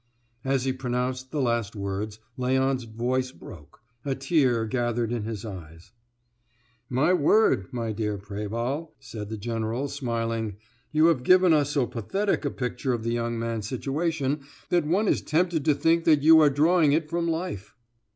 As he pronounced the last words Léon's voice broke; a tear gathered in his eyes. "My word, my dear Préval," said the general, smiling, "you have given us so pathetic a picture of the young man's situation that one is tempted to think you are drawing it from life."